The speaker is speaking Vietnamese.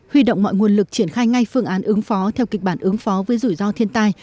huy động mọi nguồn lực triển khai ngay phương án ứng phó theo kịch bản ứng phó với rủi ro thiên tai